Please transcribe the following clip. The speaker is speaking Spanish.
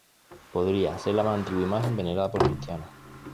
Podría ser la más antigua imagen venerada por cristianos.